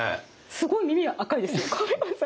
すごい耳赤いですよ